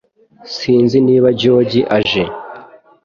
Sinzi niba George aje